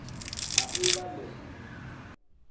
A hééba ley.